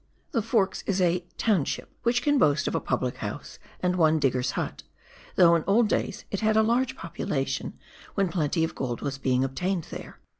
The Forks is a " township " which can boast of a publichouse and one digger's hut, though in old days it had a large population, when plenty of gold was being obtained there.